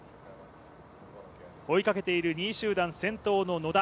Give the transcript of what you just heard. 追いかけている２位集団先頭の野田。